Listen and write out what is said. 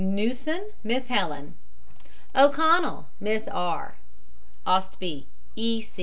NEWSON, MISS HELEN. O'CONNELL, MISS R. OSTBY, E.